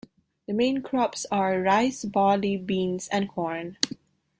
The main crops are rice, barley, beans and corn.